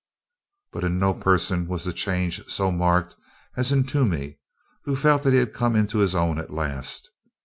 But in no person was the change so marked as in Toomey, who felt that he had come into his own at last.